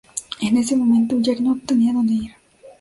En ese momento Jack no tenía a donde ir.